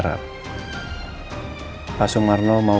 kita berdua pasti tahu